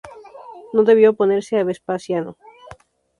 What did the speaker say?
No debió oponerse a Vespasiano.